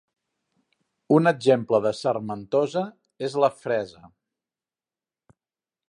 Un exemple de sarmentosa és la fresa.